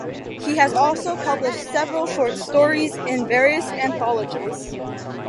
He has also published several short stories in various anthologies.